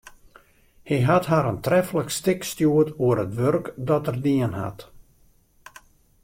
Hy hat har in treflik stik stjoerd oer it wurk dat er dien hat.